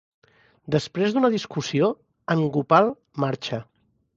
Després d'una discussió, en Gopal marxa.